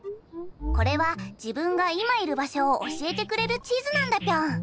これはじぶんがいまいるばしょをおしえてくれるちずなんだピョン。